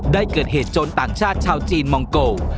ได้เกิดเหตุโจรต่างชาติชาวจีนมองโก